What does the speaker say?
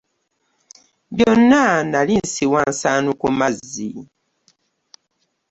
Byonna nali nsiwa nsaano ku mazzi.